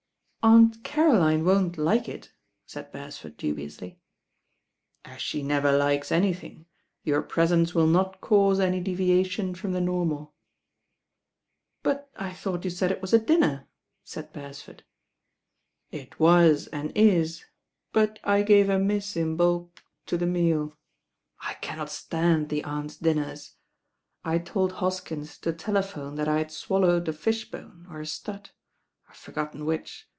"Aunt Caroline won't like it," said Bere^fo z^ du biously. i "As she never likes anything, your '^"csence will not cause any deviation from the normal." "But I thought you said it was a dinner," said Beresford. "It was and is; but I gave a miss in baulk to the THE HEIRESS INDISPOSED 118 meal. I cannot stand the Aunt*s dinners. I told Hoskins to telephone that I had swallowed a fish bone, or a stud, I've forgotten which.